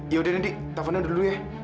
yaudah nanti tafannya udah dulu ya